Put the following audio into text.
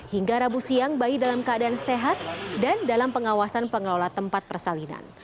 hingga rabu siang bayi dalam keadaan sehat dan dalam pengawasan pengelola tempat persalinan